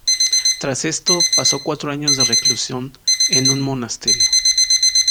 Tras esto, pasó cuatro años de reclusión en un monasterio.